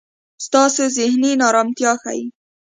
ستاسې زهني نا ارمتیا ښي.